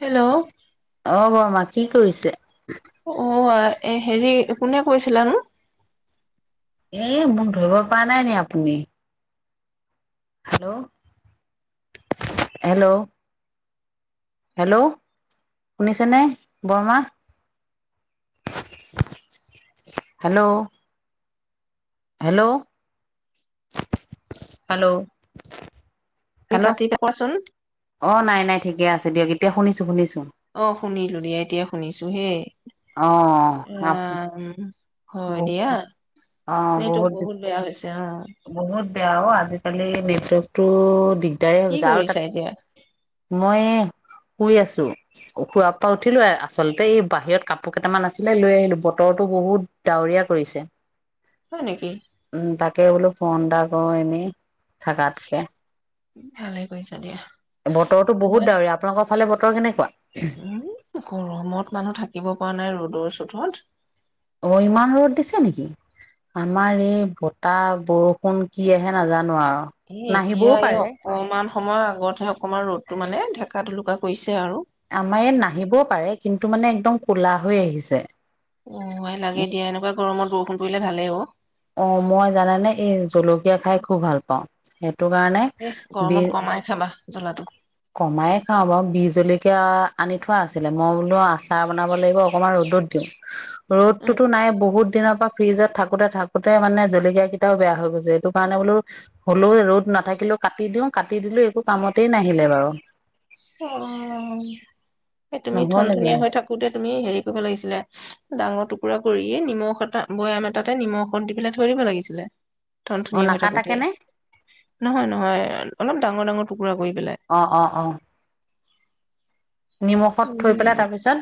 Hello অ', বমা কি কৰিছে? [unintelligible] এ, হেৰি কোনে কৈছিলানো? এ, মোক ধৰিব পৰা নাই নি আপুনি? হেল্ল', হেল্ল' হেল্ল', শুনিছেনে? বৰৰ্মা হেল্ল' হেল্ল', হেল্ল' তুমি হেল্ল' কাটি কোৱাচোন অ', নাই, নাই ঠিকে আছ দিয়ক এতিয়া শুনিছোঁ, শুনিছ অ' শুনিলো দিয়া এতিয়া শুনিছোঁ হেই। অহ, আপ ৰাম হয়, দিয়া নেটৱৰ্ক বহুত বেয়া হৈছে অ'। বেয়াও আজিকালি নেটৱৰ্কটো দিগ দাৰেই কি হৈছে আৰু কৰিছা তাত এতিয়া মই শুই আছো, শুৱাৰ পৰা উঠিলো আচলতে এই বাহিৰত কাপোৰ কেইটামান আছিলে লৈ আহিলো বতৰটো‌ বহুত ডাৱৰীয়া কৰিছে। হয়, নেকি? তাকেই বোলো ফোনটা কৰো এনেই থাকাতকে ভালেই কৰিছা দিয়া। বতৰতো মানে বহুত ডাৱৰীয়া আপোনালোকৰ ফালে বতৰ কেনেকুৱা? উম গৰমত মানুহ থাকিব পৰা নাই ৰ'দৰ চোতত অ ইমান ৰ'দ দিছে নেকি আমাৰ এই বতাহ বৰষুণ কি আহে নাজানো। এই আৰু এতিয়া নাহিবও এই পাৰে অকমান সময়ৰ আগতহে অকণমান ৰ'দটো মানে [unintelligible] কৰিছে। আৰু আমাৰ ইয়াত নাহিবও পাৰে কিন্তু টো মানে একদম কলা হৈ আহিছে। অ' লাগে দিয়া এনেকুৱা গৰমত বৰষুণ পৰি ভালেই অ' অ' মই জানে নে এই জলকীয়া খাই খুব ভাল পাওঁ সেই সেইটো কাৰণে এ বি গৰমত কমাই খাবা জ্বলাটো। কমাই খাওঁ বাৰু বিহ জলকীয়া আনি থোৱা আছিলে মই বোলো আচাৰ বনাব লাগিব অকমান ৰ'দত দিওঁ। ৰ'দতোতো নাই বহুত দিনৰ পৰা ফ্ৰিজত থাকোতে থাকোতে মানে জলকীয়া কেইটাও বেয়া হৈ গৈছে সেইটো কাৰণে বোলো হ'লেও ৰ'দ নাথাকিলেও কাটি দিও কাটি দিলো একো কামতেই নাই আহিলে বাৰু অ' তুমি ধন নহ'লেগে ধনীয়া হৈ থাকোতে তুমি হেৰি কৰিব লাগিছিলে ডাঙৰ পুৰা কৰিয় নিমখ এটা বৈয়াম এটাতে নিমখ দি পেলাই থৈ দিব লাগিছিলে। ধন অ ধুনীয়া হৈ থাকো নাকাটাকে দেই নে নহয় নহয় অলপ ডাঙৰ ডাঙৰ টুকুৰা কৰি পেলাই অ অ অ নিমখত উম, থৈ পেলাই তাৰপিছত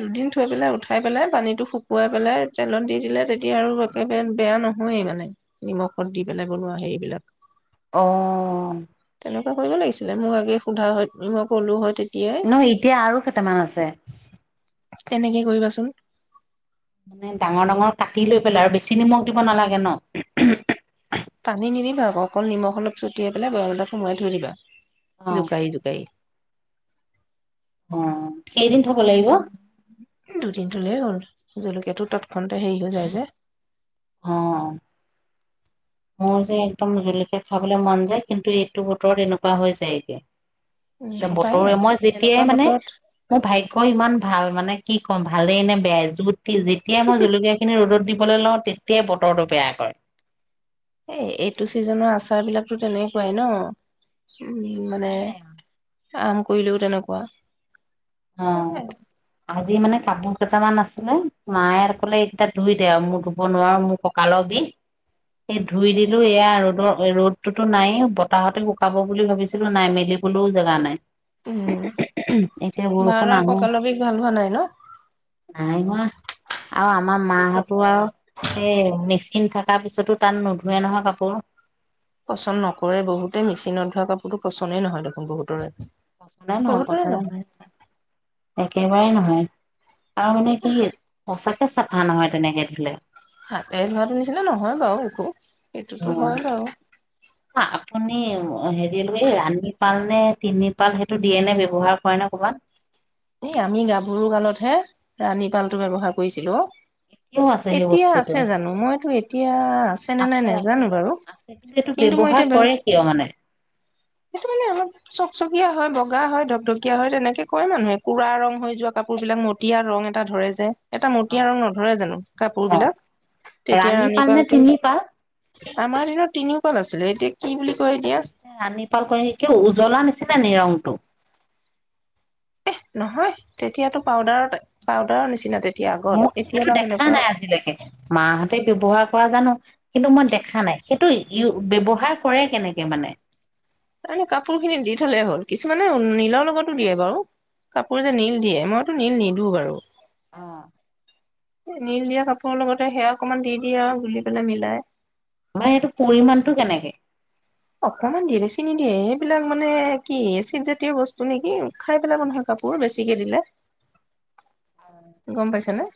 দুদিন থৈ পেলাই উঠাই পেলাই পানীটো শুকুৱাই পেলাই তেলত দি দিলে তেতিয়া আৰু একেবাৰে বেয়া নহয়ে মানে, নিমখত দি পেলাই বনোৱা হেৰিবিলাক অ' ছিল মোক আগে সোধা হয়, মই ক'লো হয়, তেত [unintelligible] নহয় এতিয়া আৰু কেইটামান আছে কেনেকে কৰিবাচোন। মানে ডাঙৰ, ডাঙৰ কাটি লৈ পেলাই আৰু বেছি নিমখ দিব নালাগে ন? পানী নিদিবা আকৌ অকল নিমখ অলপ চটিয়াই পেলাই বৈয়াম এটাত সুমুৱাই থৈ দিবা। অ জোকায়ি, জোকায়ি। অ', কেইদিন থ'ব লাগিব? থ'লেই হ'ল, জলকীয়াটো তৎক্ষণতে হেৰি হৈ যায় যে। হ মোৰ যে, একদম জলকীয়া খাবলৈ মন যায় কিন্তু এইটো বতৰত এনেকুৱা হৈ যায়গে। উম উপায় বতৰে নাই মই এনেকুৱা যেতিয়াই মানে বতৰত মোৰ ভাগ্য ইমান ভাল মানে কি কম ভালেই নে বেয়া‌ই [unintelligible] যেতিয়া মই জলকীয়া খিনি ৰ'দত দিম লওঁ তেতিয়াই বতৰটো বেয়া কৰে এ এইটো চিজনৰ আচাৰ বিলাকতো তেনেকুৱাই ন উম মানে উপায় নাই আৰু। আম কৰিলেও তেনেকুৱা অ আজি মানে কাপোৰ কেইটামান আছিলে মায়ে কলে এইকেইটা ধুই দে আৰু মোৰ ধুব নোৱাৰো মোৰ কঁকালৰ বিষ স ধুই দিলো এয়া ৰ'দৰ ৰ'দটোোতো নাই বতাহতে শুকাব বুলি ভাবিছিলো নাই মেলিবলৈও জেগা নাই উম [unintelligible] বৰষুণ মাৰাৰ আহো কঁকালৰ বিষ ভাল হোৱা নাই ন নাই ন আৰু আমাৰ কি মাহতো কবা আৰু সেই মে চিন থকাৰ পিছতো তাত নোধোৱে নহয় কাপোৰ পচন্দ নকৰে বহুতে মেচিনত ধোৱা কাপোৰতো পচন্দই নহয় দেখোন বহুতৰে পচন্দা নহ বহুতৰে পচন্দ নহয় ন একেবাৰে নহয় আৰু মানে কি সঁচাক চাফা নহয় তেনেকে ধৰিিললেও হাতে ধৰাটোৰ নিচিনা নহয় বাৰু শখো অ আপ এ হেৰিলো এই ৰাণীপাল নে তিনি পাল সেইটো দিয়ে নে ব্য্ৱহাৰ কৰে নে কবাত এ আমি গাভৰু গালতহে ৰাণীপালটো ব্য্ৱহাৰ কৰিছিলো কিয়টো অ এতিয়া আছে জানো মইতো এতিয়া আছেনেে নাই আছে নাজানো বাৰু কিন্তু মই এতিয়া বাৰু মানে সটো মানে অলপ চকচকীয়া হয় বগা হয় কঢকীয়া হয় তেনেকে কয় মানুহে কুৰা ৰং হৈ যোৱা কাপোৰ বিলাক মটীয়া ৰং এটা ধৰে যে এটা অ মতিীয়া ৰং নধৰে জানো কাপোৰ অ বিলাক তেতিয়া ৰাণী পাল নে তিনি পাল ৰাধীপালটো আমাৰ দনৰত তিনিও কাল আছিলে এতিয়া কি বুলি কয় এতিয়া এ আনি পাল ক স উজ্বলা নি ন ৰংটো এহ নহয় তেতিয়াতো পাউদাৰত পাউদাৰৰ নিচিনা তেতি মোৰটো দেখা নাই আজিলৈকে মাহঁতে ব্য্ৱহাৰ পৰা জানো কিন্তু মই দেখা নাই সেইটো ই ব্য্ৱহাৰ কৰে কেনেকে মানে তাৰে কাপোৰ খিনি দি থলে হ'ল কিছুমানে নীলৰ লগতো দিয়ে বাৰু কাপোৰ যে নীল দিয়ে মইতো নীল নিদো বাৰু অ নীল দিয়া কাপোৰৰ লগতে সেয়া অকণমান দি দিয়ে আৰু গুলি পেলাই মিলাই আমাৰ এইটো পৰিমাণটো কেনেকে অকমান দেৰি চিন নি দিয়ে এইবিলাক মানে কি এ চিদ জাতীয় বস্তু নেকি খাই পেলাক নহয় কাপোৰ বেছিকে দিলে গম পাইছে নে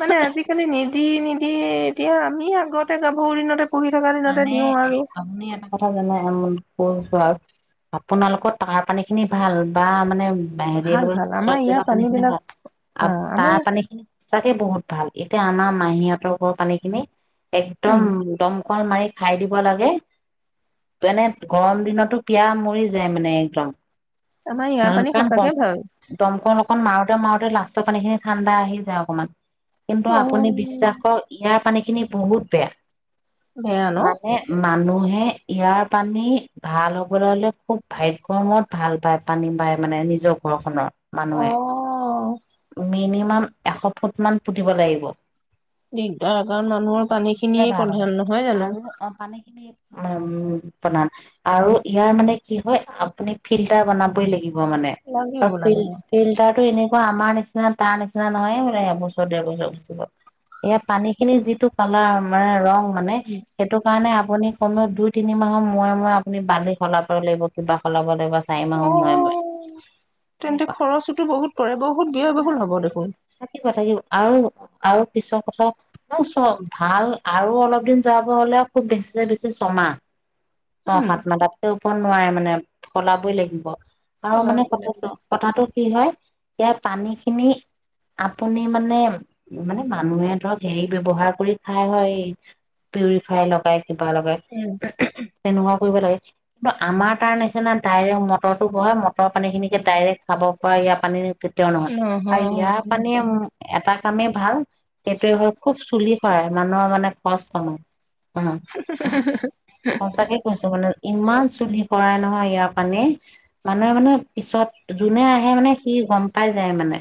মানে আজিকালি নিদি নিদি এতিয়া আমি আগতে গাভৰি দিনতে পঢি থকা দিনহতে এ, আপুনি এটা কথা জানে? কৈছোঁ আৰু আপোনালোকৰ তাৰ পানী খিনি ভাল বা মানে বাহে ভাল লৈ ভাল আমাৰ চব ইয়াৰ জেগা পানী খিনি বিলাক ভাল অ আৰু আমাৰ তাৰ পানী খিনি চাকে বহুত ভাল এতিয়া আমাৰ মাহীহঁতৰ পানীখিনি একদম উম একদম অকণ মাৰি খাই দিব লাগে যেনে গৰম দিনতো পিয় মৰি যায় মানে একদম। আমাৰ ইয়াৰ কাৰণ পানী সঁচাকে দম ভাল দমকল অকণ মাৰোতে মাৰোতে লাষ্টৰ পানীখিনি ঠাণ্ডা আহি যায় অকনমান। কিন্তু অ আপুনি বিশ্বাসক ইয়াৰ পানী খিনি বহুত বেয়া বেয়া ন? মানে মানুহে ইয়াৰ পানী ভাল হ'বলৈ হ'লে খুব ভাগ্যৰমত ভাল পায় পানী বাাই মানে নিজৰ ঘৰখনৰ। অ মানুহে উ মিনিমাম এশ ফুট মান পুতিব লাগিব। দিগদাৰ কাৰণ মানুহৰ পানী তেতিয়াই খিনিয়ে ভাল হ'ব প্ৰধান্য। আৰু অ' পানী খিনি। উ উ বনাম আৰু ইয়াৰ মানে কি হয় আপুনি ফিল্টাৰ বনাবই লাগিব। মানে আৰু লাগিব ফিল, লাগিব ফিল্টাৰটো এনে আমাৰ নিচিনা তাৰ নিচিনা নহয়, এইবোলে এবছৰ, দেৰবছৰ গুছি এয়া পানীখিনি যিটো কালাৰ মানে ৰং মানে সেইটো কাৰণে আপুনি কমেও দুই, তিনি মাহৰ মোয়ে, মোয়ে আপুনি বালি সলাবই লাগিব, কিবা সলাব লাগিব চাৰি মাহৰ মূৰে মূৰে অ', তেন্তে এনেকুৱা খৰচোতো বহুত পৰে, বহুত ব্যয় বহুল হ'ব দেখোন। থাকিব থাকিব আৰু, আৰু পিছৰ কথা ম চব ভাল আৰু অলপ দিন যোৱাব হ'লে আৰু খুব বেছি, বেছি ছমাহ। অ', উম। সাতমাহ তাতকে নোৱাৰে মানে সলাবই লাগিব। আৰু ওলাব মানে লাগিব। কথাটো, কথাটো। কি হয়, ইয়াৰ পানীখিনি আপুনি মানে, মানে মানুহে ধৰক হেৰি ব্যৱহাৰ কৰি খায় হয় পিউৰিফাই লগাই উম, [unintelligible] তেনেকুৱা কৰিব লাগে কিন্তু আমাৰ তাৰ নিচিনা ডাইৰেক্ট মটৰটো বঢ়াই মটৰৰ পানীখিনিকে ডাইৰেক্ট খাব পৰা ইয়াৰ পানী কেতিয়াও নহয়, আ, নহয় ইয়াৰ পানী এটা কামেই ভাল এইটোৱে হ'ল খুব চুলি সৰা মানুহৰ মানে পাঁচয় অ পচকে কচ ইমান চুলি পৰাই নহয় ইয়াৰ পানে মানুহে মানে পিছত যোনে আহে মানে সি গম পাই যায় মানে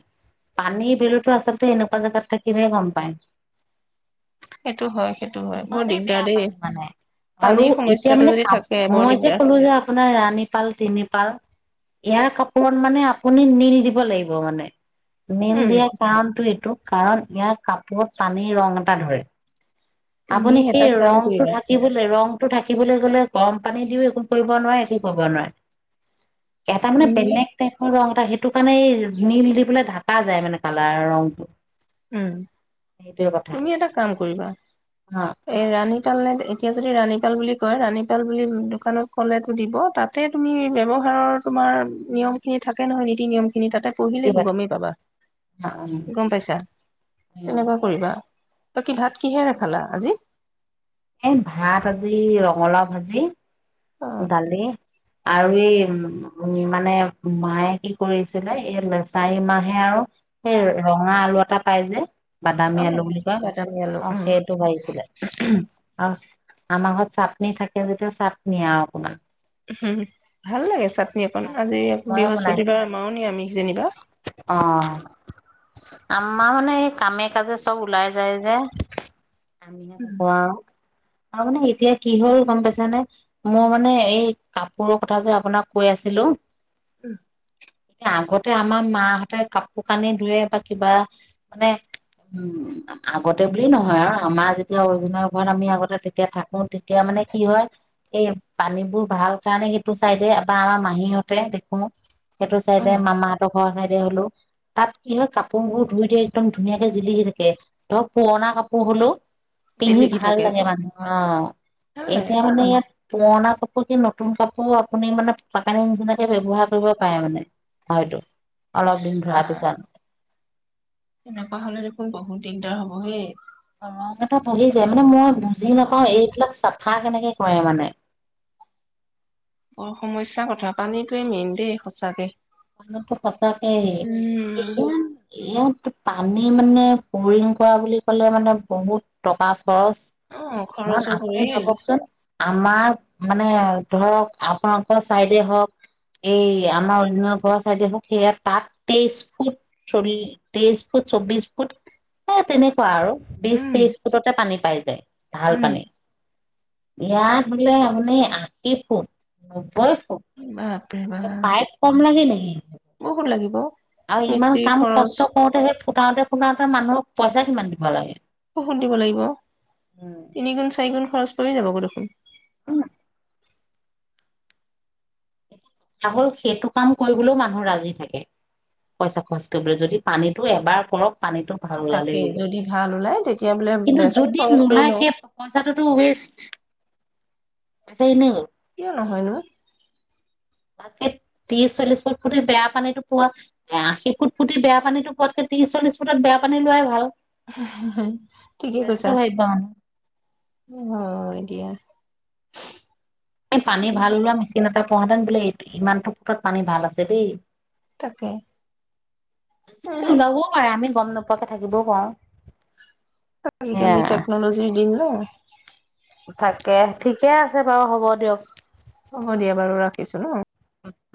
পানীৰ বিলতো আচলতে এনেকুৱা জোগাত থাকিলে গম পায় সেইটো হয় সেইটো হয় বৰ ইমানেই দিগদাৰ বেয়া দেই। পানী মানে আৰু পানীৰ এতিয়া সমস্যাটো মানে যদি ক থাকে বৰ মই যে দিগদাৰ কলো যে আপোনাৰ ৰাণীপাল তিনিপাল ইয়াৰ কাপোৰ মানে আপুনি নি নি দিব লাগিব মানে মিল উম, দিয়া কাৰণটো এইটো কাৰণ ইয়াৰ কাপোৰত পানীৰ ৰং এটা ধৰে তুমি আপুনি সেই এটা কাম ৰংটো কৰিবা থাকিবলৈ ৰং টো থাকিবলৈ গ'লে গৰম পানী দিও একো কৰিব নোৱাৰে একো কৰিব নোৱাৰে এ তাৰমানে তুমি বেলেগ দেখ সেইটো কাৰণে এই নীল দি পেলাই ঢাকা যায় মানে কালাৰ ৰংটো উম সেইটোৱে কথা তুমি এটা কাম কৰিবা অ এ ৰাণীপাল নে এতিয়া যদি ৰাণীপাল বুলি ক কয় ৰাণীপাল বুলি দোকানত ক'লেতো দিব তাতে তুমি ব্যৱহাৰৰ তোমাৰ নিয়ম খিনি থাকে নহয় নীতি নিয়ম খিন খিনি তাতে পঢ়িলে থাকিবা গমেই থাকিবা পাবা কি অ গম পাইছা অ তেনেকুৱা কৰিবা ত কি ভাত কিহেৰে খালা আজি এ ভাত আজি ৰঙালাও ভাজি অ', দালি আৰু এই উ মানে মায়ে কি কৰিছিলে এই চাৰি মাহে আৰু সেই ৰঙা আলু এটা পাই যে বাদামী অ আলু বুলি কয় বাদামী আলু অ উম সেইটো বাছিলে আৰু আমাৰ ঘৰত চাটনি থাকে যেতিয়া চাট নিয়া আপোনাক উম ভাল লাগে চাটনি অকন আজি বৃহস্পতিবাৰ মাৰ নি আমি আহ আমা মানে এ কামে কাজে চব ওলাই যায় যে আমিহ কোৱা আৰু মানে এতিয়া কি হল গম পাইছো নে মই মানে এই কাপোৰৰ কথা যে আপোনাক কৈ আছিলো উম এতিয়া আগত তে আমাৰ মাহঁতে কাপোৰ কানি ধুৰে বা কিবা মানে উম আগতে বুলি নহয় আৰু আমাৰ যেতিয়া অৰিজুনা ঘৰত আমি আগতে তেতিয়া থাকো তেতিয়া মানে কি হয় এই পানীবোৰ ভাল কাৰণে সেইটো চাই দিয় বা আমাৰ মাহীহঁতে দেখো সেইটো অ চাইদ মামা চাইডে হলো তাত কি হয় কাপোৰবোৰ ধুই দি একদম ধুনীয়াকে জিলিকি থাকে ধৰ পুৰণা কাপোৰ হলো পিন্ধি জিলিকি ভাল থাকে লাগে আকৌ মানুহ আহ ভাল লাগে এতিয়া মানে ইয়াত পুৰণা কাপোৰ কি নতুন কাপোৰ আপুনি মানে ফটাকানি নিচিনাকে ব্যৱহাৰ কৰিব পাৰে মানে। হয়তো অলপ ইছ, দিন ধোৱাৰ ৰাম পিছত। এনেকুৱা হ'লে দেখোন বহুত দিগদাৰ হ'ব হেই। ৰং এটা বহি যায় মানে। মই বুজি নাপাওঁ এইবিলাক চাফা কেনেকে কৰে মানে। বৰ সমস্যা কথা পানীটোৱেই মেইন দেই সঁচাকে। মানটো ফচাাকেে উম [unintelligible] পানী মানে বৰিং কৰা বুলি ক'লে মানে বহুত টকা খৰচ। অ খৰচো আপুনিয়ে পৰিল ভাবকচোন? আমাৰ মানে ধৰক আপোনালোকৰ চাইডে হওঁক, এই আমাৰ অৰিজিনেল ঘৰৰ চাইডে হ'ক সেয়া তাত তেইশ ফুট চল্লি তেইশ ফুট চৌবিশ ফুট এ তেনেক খোৱা আৰু বিশ উম তেইশ ফুটতে পানী পাই যায় ভাল উম পানী। ইয়াত বোলে আপুনি আশী ফুট বাপৰে [unintelligible] বাপ পাইপ কম লাগে নি? বহুত লাগিব আৰু ইমান মিস্ত্ৰী কাম খৰচ কষ্ট কৰোতে হে ফুটাওতে ফুটাওতে মানুহক পইচা কিমান দিব লাগে? বৰষুণ দিব লাগিব উম তিনি গুণ চাৰি গুণ খৰচ পৰি যাবগৈ দেখোন। উম কথা হ'ল সেইটো কাম কৰিবলৈও মানুহ ৰাজি থাকে পইচা খৰচ কৰিবলৈ। যদি পানীটো এবাৰ কৰক পানীটো ভাল ওলালে। তাকেই যদি ভাল ওলাই তেতিয়া বোলে কিন্তু দেচোন যদি খৰচ কৰি নোলাই লওঁ সেই পইচাটোতো ওৱেষ্ট। আছেই ন'? কিয় নহয় নো? তাকে ত্ৰিশ চল্লিশ ফুট ফুটি বেয়া পানীটো পোৱাতকে। আশী ফুট ফুটি বেয়া পানীটো পোৱাতকে। ত্ৰিশ চল্লিশ ফুটত বেয়া পানী লোৱাই ভাল। ঠিকে তেনেকে কৈছা। ভাবিব মানুহ হয়, হয় দিয়া। পানী ভাল ওলোৱা মেচিন এটা তহঁতৰ বোলে ইমান ফুট ত পানী ভাল আছে দেই। তাকে নোলাবও পাৰে আমি গম নাপাওঁ। এনেকোৱা কে থাকিবও পাৰোঁ। আজিকালি টেকন'লজিৰ দিন ন। তাকে ঠিকে আছে বাৰু হ'ব দিয়ক। হ'ব দিয়া বাৰু ৰাখিছো ন।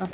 অঃ।